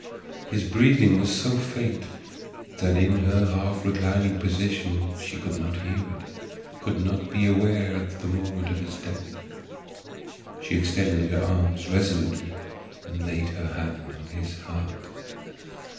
His breathing was so faint that in her half reclining position she could not hear it, could not be aware of the moment of his death. She extended her arm resolutely and laid her hand on his heart.